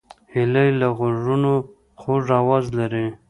هیلۍ له غوږونو خوږ آواز لري